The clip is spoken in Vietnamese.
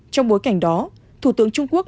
trong bối cảnh đó thủ tướng trung quốc